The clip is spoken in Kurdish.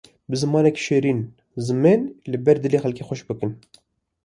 Bi zimanekî şêrîn zimên li ber dilê xelkê xweş bikin.